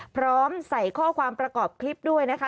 พร้อมใส่ข้อความประกอบคลิปด้วยนะคะ